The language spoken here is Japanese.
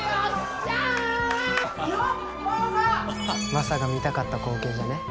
マサが見たかった光景じゃねえ？